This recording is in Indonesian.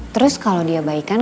terus kalau dia baikan